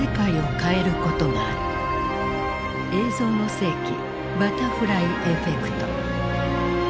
「映像の世紀バタフライエフェクト」。